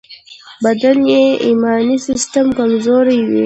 بدن یې ایمني سيستم کمزوری وي.